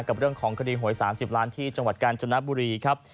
กับเรื่องของคดีหวย๓๐ล้านที่จังหวัดกาญจนบุรีครับ